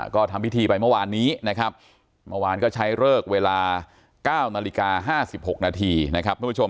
ก็ทำพิธีไปเมื่อวานนี้เมื่อวานก็ใช้เลิกเวลา๙นาฬิกา๕๖นาที